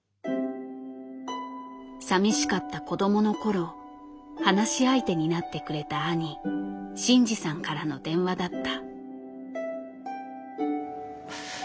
さみしかった子供の頃話し相手になってくれた兄晋治さんからの電話だった。